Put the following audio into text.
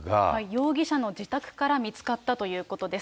容疑者の自宅から見つかったということです。